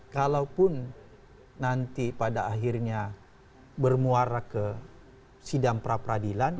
kalaupun nanti pada akhirnya bermuara ke sidang pra peradilan